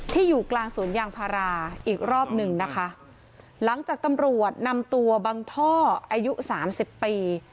อยู่กลางสวนยางพาราอีกรอบหนึ่งนะคะหลังจากตำรวจนำตัวบังท่ออายุสามสิบปี